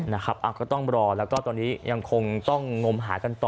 นะครับก็ต้องรอแล้วก็ตอนนี้ยังคงต้องงมหากันต่อ